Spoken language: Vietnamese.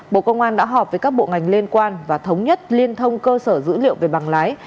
bộ công an đã họp với các bộ ngành liên quan và thống nhất liên thông cơ sở dữ liệu về bằng lái